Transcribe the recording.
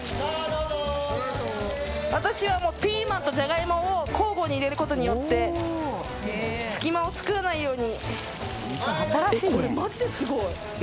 私はピーマンとジャガイモを交互に入れることによって隙間を作らないように。